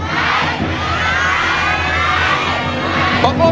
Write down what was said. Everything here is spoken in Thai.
ใช้ใช้ใช้ใช้ใช้